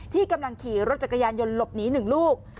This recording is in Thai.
ที่กำลังขี่รถจักรยานยนต์หลบหนี๑ลูก